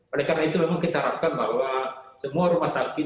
oleh karena itu memang kita harapkan bahwa semua rumah sakit